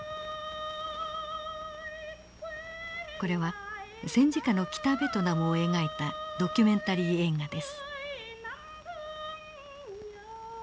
これは戦時下の北ベトナムを描いたドキュメンタリー映画です。